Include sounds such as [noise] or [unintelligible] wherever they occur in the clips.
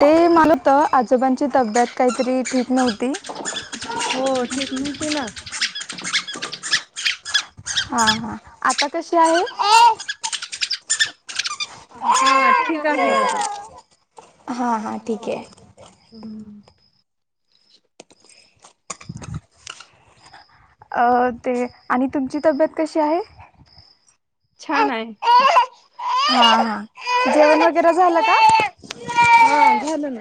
ते मालत आजोबांची तब्येत काहीतरी ठीक नव्हती. हो ठीक [inaudible] तिला हा हा आता कशी आहे. हा ठीक आहे आता. हा हा ठीक आहे हम्म अ ते आणि तुमची तब्येत कशी आहे. छान हाय. हा हा जेवण वगैरे झालं का. हा झालं ना.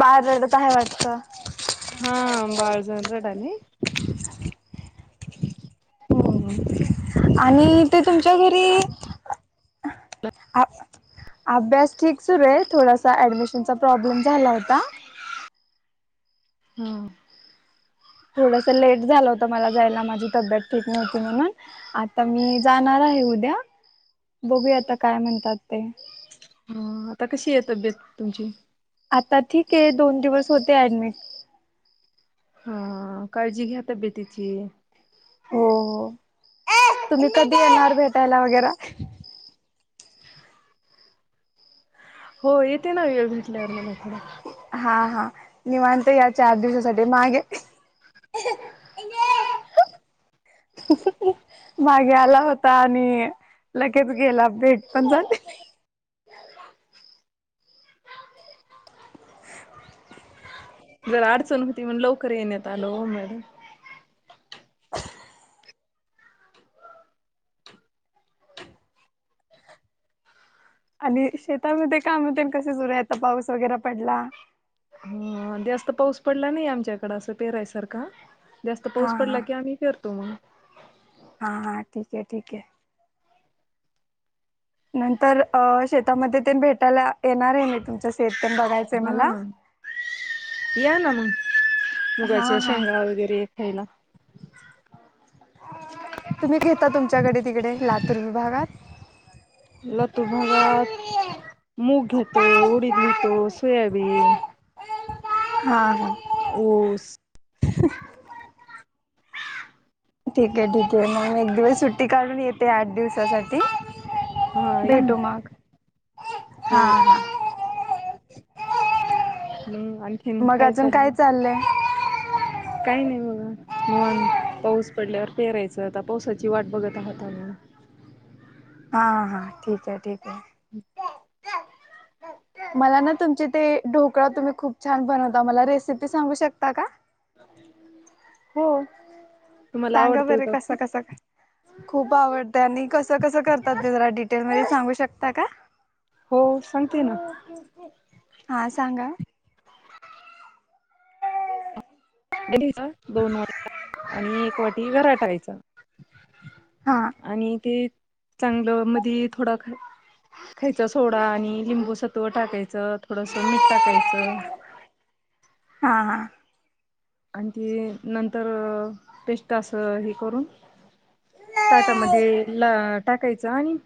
बाळ रडत आहे वाटतं. हा बाळ जरा रडालय. हम्म. आणि ते तुमच्या घरी आ अभ्यास ठीक सुरू आहे थोडासा ऍडमिशनचा प्रॉब्लेम झाला होता. हम्म थोडस लेट झालं होतं मला जायला माझी तब्येत ठीक नव्हती म्हणून आता मी जाणार आहे उद्या. बघूया आता काय म्हणतात ते. हा आता कशी आहे तब्येत तुमची. आता ठीक आहे दोन दिवस होते ऍडमिट. ह काळजी घ्या तब्येतिची हो हो तुम्ही कधी येणार भेटायला वगैरा. हो येते ना वेळ भेटल्यावर मला थोडं. हा हा निवांत या चार दिवसासाठी मागे [inaudible] मागे आला होता आणि लगेच गेला भेट पण झाली नाई. जरा अडचण हुती म्हण लवकर येण्यात आलो ओ मॅडम. आणि शेतामध्ये काम तेन कस सुरूय आता पाऊस वगैरे पडला. हा जास्त पाऊस पडला नाही आमच्याकडं असं पेरायसारखा. जास्त हा पाऊस हा पडला की आम्ही पेरतो मंग. हा हा ठीक आहे ठीक आहे. नंतर अ शेतामध्ये तेन भेटायला येणार आहे मी तुमचं शेत तेन बघायचंय मला. हा. [inaudible] या ना मग हा मुगाच्या हा शेंगा वगैरे खायला. [inaudible] तुम्ही घेता तुमच्याकडे तिकडे लातूर विभागात. लातू भागात मूग घेतो, उडीद घेतो, सोयाबीन हा ह ऊस [inaudible] ठीक आहे ठीके आहे मग मी एक दिवस सुट्टी काढून येते आठ दिवसासाठी. हा या भेटू ना. मग हो. हा हा. मग आणखीन मग काय अजून चालले? चाललंय काही नाही बघा निवांत. पाऊस पडल्यावर पेरायचं, आता पावसाची वाट बघत आहात आम्ही. हा हा हा ठीक आहे ठीक आहे मला ना तुमचे ते ढोकळा तुम्ही खूप छान बनवता मला रेसिपी सांगू शकता का? [inaudible] होम सांगा बर कसा कसा काय खूप आवडत आणि कसं कसं करतात ते जरा डिटेलमध्येध्ये सांगू शकता का हो सांगते ना हा सांगा दोन वाट आणि एक वाटी घराटायचा हां आणि ते चांगलं मध्ये थोडा खायचं सोडा आणि लिंबू सत्व टाकायचं थोडस मिीठ टाकायचं हां हां आणि ती नंतर पेस्ट असं हे करून ताटामध्ये ला टाकायच आणि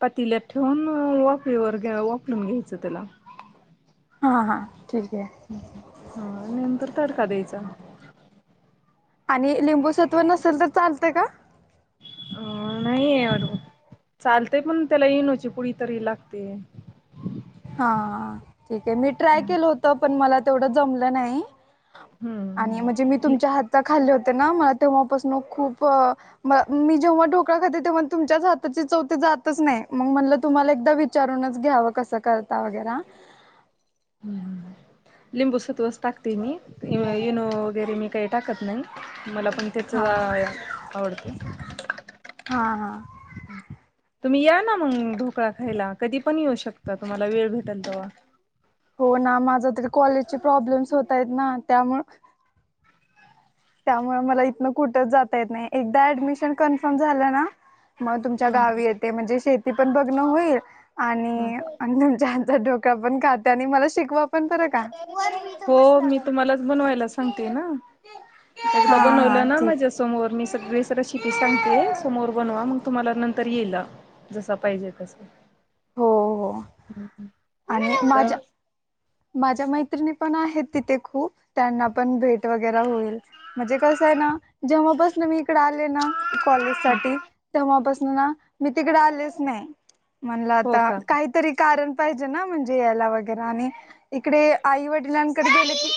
पातिल्यात ठेवून वाकरीवर वाकलून घ्यायचं त्याला हा हा हा नंतर तडका द्यायचा आणि लिंबू सत्व नसेल तर चालतं का अ नाही आहेर चालतेय पण त्याला येईन होते पुढ तरी लागते हा ठीक आहे मी ट्राय केलं होत पण मला तेवढं जमलं नाही हम्म आणि म्हणजे मी तुमच्या हातात खाल्ले होते ना मला तेव्हापासून खूप म मी जेव्हा डोक तुमच्या हाताची चौथी जातच नाही मग म्हण तुम्हाला एकदा विचारूनच घ्याव कस करता वगैरे लिंबू सतवस टाकते मी येनो वगैरे मी काही टाकत नाही मला पण तेच हा जा आवडत हा हा तुम्ही या ना मग ढोकळा खायला कधी पण येऊ शकता तुम्हाला वेळ भेटेल तेव्हा हो ना माझ तरी कॉलेजचे प्रॉब्लेम्स होतय ना त्यामु त्यामुळे मला इथन कुठंच जाता येत नाही एकदा ऍडमिशन कन्फर्म झालं ना मग तुमच्या ह गावी येते म्हणजे शेती पण बग्न होईल आणि तुमच्या पण खात आणि मला शिकवा पण बरं का वर मी इथं हो मी बसलेलो. तुम्हालाच बनवायला सांगते ना एकदा हा हा बनवलं ना ठीक माझ्या समोर मी सगळ वसर शती सांगतेय समोर बनवा मग तुम्हाला नंतर येईला जसा पाहिजे तस हो हो आणि तर माझ्या माझ्या मैत्रिणी पण आहेत तिथे खूप त्यांना पण भेट वगैर होईल म्हणजे कस आहे ना जेव्हापास मी इकडे आले ना कॉलेज साठी तेव्हापासून ना मी तिकडे आलेच नाही म्हणला हो आता का काहीतरी कारण पाहिजे ना म्हणजे यायला वगैे आणि इकडे आई वडिलांकडे गेले की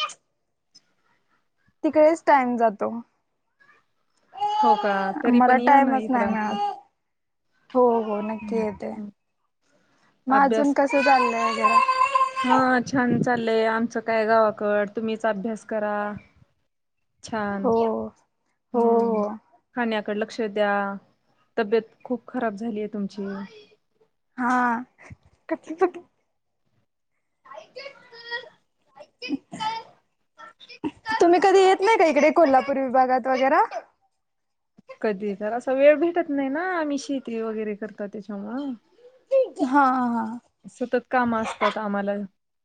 तिकडेच टाइम जातो हो का तरी मला पण या ना टाइमच नाही इकड मिळत हो हो हो नक्की येते. मग अभ्यास अजून कसं चाललंय वगैरे हा छान चाललंय आमचं काय गावाकड तुम्हीच अभ्यास करा छान हो हो हूं हो खाण्यात कड लक्ष द्या. तब्येत खूप खराब झालीय तुमची. हा [unintelligible] तुम्ही कधी येत नाही का इकडे कोल्हापूर विभागात वगैरा? कधी तर असा वेळ भेटत नाही ना आम्ही शेती वगैरे करता त्याच्यामुळ. हा हा सतत काम असतात आम्हाला.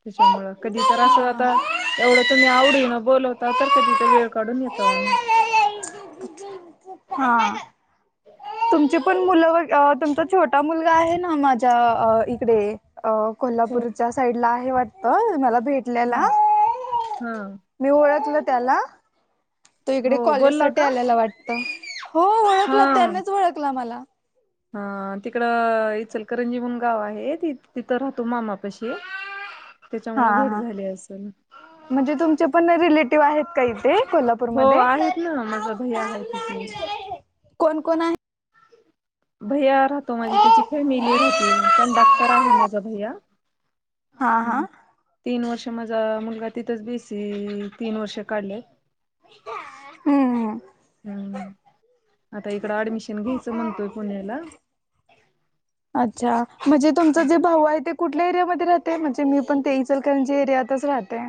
त्याच्यामुळ कधी तर असं हा आता एवढं तुम्ही आवडीन बोलवता तर कधी तर वेळ काढून येताव. [unintelligible] हा. तुमची पण मुलं व तुमचा छोटा मुलगा आहे ना माझ्या इकडे अ हो कोल्हापूरच्या साईडला आहे वाटतं मला हा भेटल्याला हा मी ओळखल त्याला तो इकडे हो कॉलेज बोलला साठी का आल्याला वाटत हो ओळखल त्यानेच ओळखल मला. ह तिकड इचलकरंजी म्हणून गाव आहे त तिथं राहतो मामापाशी. त्याच्यामुळे हां भेट हां झाली असेल म्हजे तुमचे पण रिलेटी हो आहेत ना माझा भय्या हाय तिथे. कोण कोण हाय? भैया राहतो माझी त्याची फॅमिली राहते पण डाक्टर आहे माझा भैया. हा हा. तीन वर्ष माझा मुलगा तिथंच बी सी तीन वर्षे काढलेत. हम्म हम्म आता इकडं ऍडमिशन घ्यायचं म्हणतोय. पुण्याला अच्छा म्हजे तुमच जे भाऊ आहे ते कुठल्या एरिया म ते राहते म्हणजे मी पण ते इचलकरंजी एरियातच राहते.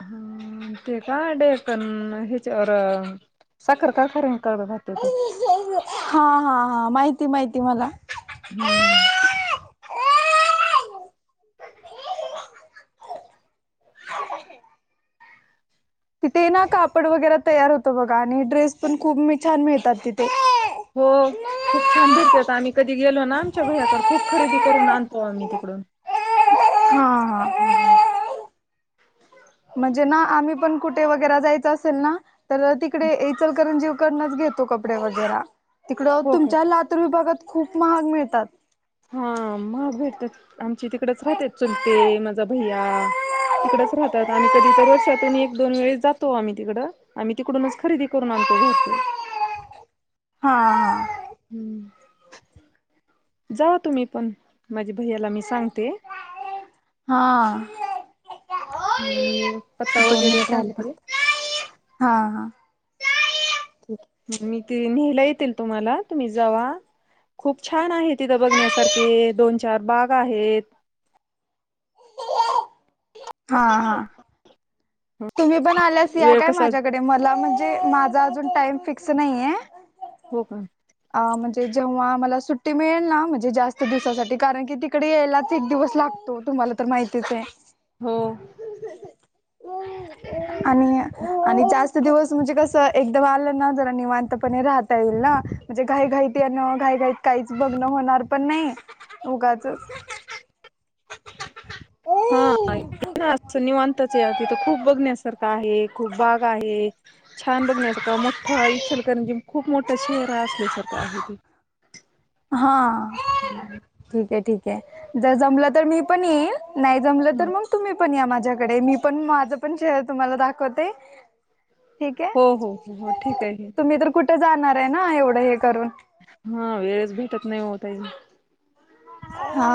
हूं ते का डेकण हच्यावर अ साखर कारखाऱ्यान कार राहत तो. हा हा हा माहिती माहि हम्म तिथे ना कापड वगैरा तयार होतं बघा आणि ड्रेस पण खूप मी छान मिळतात तिथे. हो हा खूप छान भेटत्यात आम्ही कधी गेलो ना आमच्या भैयाकड खूप खरेदी करून आणतो आम्ही. तिकडून. हा हा. कुठे वगैरा जायचं असेल ना तर तिकडे इचलकरंजीव कडनाच घेतो कपडे वगैरा. तिकडं हो का? तुमच्या लातूर विभागात खूप महाग मिळतात. हा महाग भेटत्यात. आमची तिकडेच राहते चुलते माझा भैया तिकडच राहतात आम्ही कधी तर अस षातून एक दोन वेळीस जातो आम्ही तिकड आम्ही तिकडूनच खरेदी करून आणतो घरचे. हा हा. जावा तुम्ही पण माझ्या भैयाला मी सांगते. हां. नी पत्ता वगैरे मिनिट राहिले सांगते. फक्त [unintelligible] मी ते न्हेयला येतील तुम्हाला तुम्ही जावा. खूप छान आहे तिथं आहे. बघण्यासारखे दोन चार बाग आहेत. हा हा. तुम्ही पण आल्यास या वेळ काय कसा माझ्याकडे मला म्हणजे माझा अजून टाइम फिक्स नाइये. हो का अ म्हणजे जेव्हा मला सुट्टी मिळेल ना म्हणजे जास्त दिवसासाठी कारण कि ती कडे यायलाच एक दिवस लागतो तुम्हाला तर माहितीच हाय. हो आणि आणि जास्त दिवस म्हणजे कस एकदा वालं ना जरा निवांतपणे राहता येईल ना म्हणजे घाई घाईती येन घाई घाईत काहीच बघण होणार पण नाही उगाचच हा हाय कनई असं हा निवांताच या तिथं खूप बघण्यासारखं आहे खूप बागा आहेत छान बघण्यासारखं मोठ आहे ईचलकरंजी न खूप मोठा शहर असल्यासारखा आहे ते हो का हा ठीक आहे ठीक आहे जर जमलं तर मी पण येईन नाही जमलं तर ह मग तुम्ही पण या माझ्या झ्याकडे मी पण माझं पण शहर तुम्हाला दाखवते ठीक हो हो हो हो ठीक आहे आहे तुम्ही तर कुठे जाणार आहे ना एवढं हे करून हा वेळेच भेटत नाही ओ ताई हा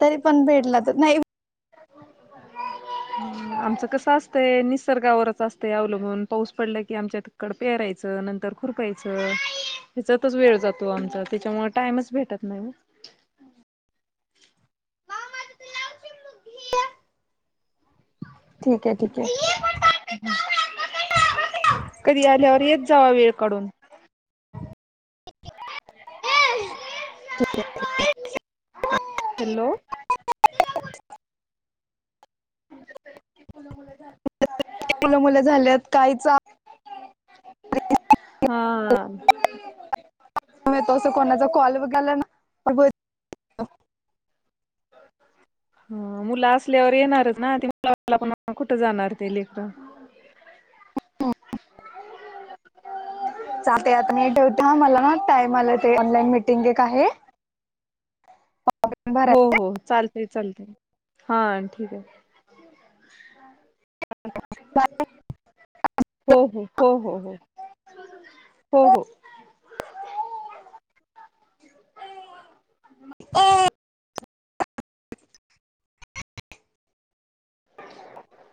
तरी पण भेटला तर नाही हम्म आमचं कसं असतंय निसर्गावरच असतय अवलंबून पाऊस पडला की आमच्या इकडं पेहरायचं नंतर खुरपायचं त्याच्यातच वेळ जातो आमचा त्याच्यामुळे टाईमच भेटत नाही ह ठीक आहे ठीक आहे कधी आल्यावर येत जावा वेळ काढून ठीक आहे ठीक आहे हॅलो आमच्या कड मुळं झाल्यात कालचा हा तो अस कोणाचा कॉल बघाला ना तर देतात ना ह मुलं असल्यावर येणारच ना ते आपण नाही म्हटल्यावर कुठं जाणार ती लेकरं तेच तर आहेच चालतय आता ताई ठेवते ह मला ना टाइम आला ते ऑनलाईन मिटिंग एक आहे हो हो हो चालतय चालतय हा ठीक आहे जायाच हो हो हो हो हो हो हो ठिक आहे अय कशाला केल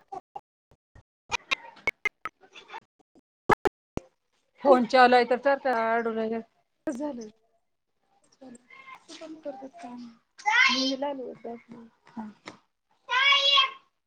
फोन चालू हाय ईथ तर चावट झालय.. हो झालय किती कामी करतात काय माहित. ह